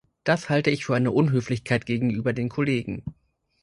Das halte ich für eine Unhöflichkeit gegenüber den Kollegen.